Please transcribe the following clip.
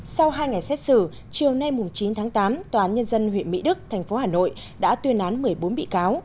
sau hai ngày xét xử chiều nay chín tháng tám tòa án nhân dân huyện mỹ đức tp hà nội đã tuyên án một mươi bốn bị cáo